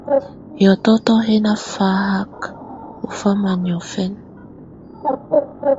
Hiɔtɔtɔ hɛ̀ nà faka ù fama niɔ̀fɛna.